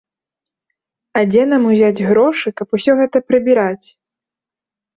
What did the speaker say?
А дзе нам узяць грошы, каб усё гэта прыбіраць?